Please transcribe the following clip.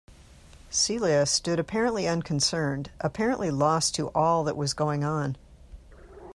Celia stood apparently unconcerned, apparently lost to all that was going on.